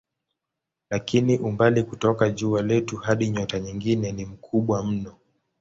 Lakini umbali kutoka jua letu hadi nyota nyingine ni mkubwa mno.